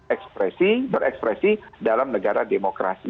ekspresi berekspresi dalam negara demokrasi